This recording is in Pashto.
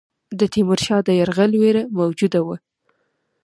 د تیمورشاه د یرغل وېره موجوده وه.